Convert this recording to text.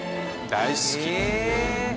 大好き！